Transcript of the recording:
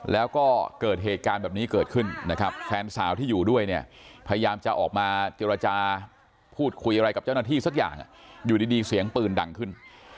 แล้วก็เกิดเหตุการณ์แบบนี้เกิดขึ้นนะครับแฟนสาวที่อยู่ด้วยเนี่ยพยายามจะออกมาเจรจาพูดคุยอะไรกับเจ้าหน้าที่สักอย่างอยู่ดีเสียงปืนดังขึ้น